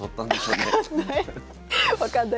分かんない。